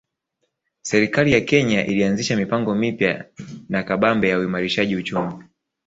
Serikali ya Kenya ilianzisha mipango mipya na kabambe ya uimarishaji uchumi